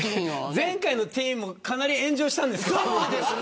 前回のティーンもかなり炎上したんですけど。